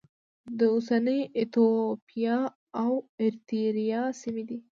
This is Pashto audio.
د اوسنۍ ایتوپیا او اریتریا سیمې دي.